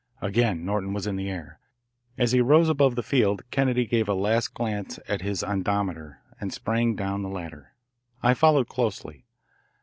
Again Norton was in the air. As he rose above the field Kennedy gave a last glance at his ondometer and sprang down the ladder. I followed closely.